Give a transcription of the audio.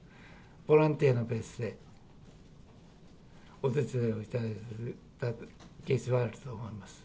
ボランティアのベースでお手伝いをいただいたケースはあると思います。